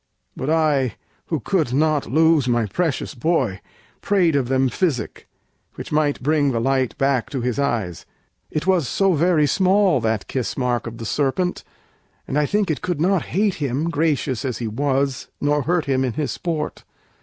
But I, who could not lose my precious boy, Prayed of them physic, which might bring the light Back to his eyes; it was so very small, That kiss mark of the serpent, and I think It could not hate him, gracious as he was, Nor hurt him in his sport.